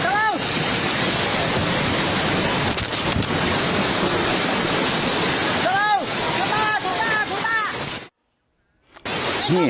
แล้วน้ำซัดมาอีกละรอกนึงนะฮะจนในจุดหลังคาที่เขาไปเกาะอยู่เนี่ย